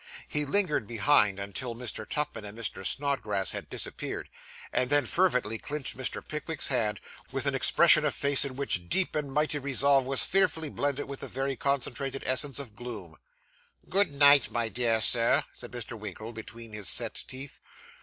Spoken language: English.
He lingered behind, until Mr. Tupman and Mr. Snodgrass had disappeared, and then fervently clenched Mr. Pickwick's hand, with an expression of face in which deep and mighty resolve was fearfully blended with the very concentrated essence of gloom. 'Good night, my dear Sir!' said Mr. Winkle between his set teeth.